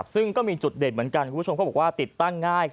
ซึ่งก็มีจุดเด่นเหมือนกันคุณผู้ชมเขาบอกว่าติดตั้งง่าย